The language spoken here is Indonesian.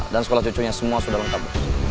dan sekolah cucunya semua sudah lengkap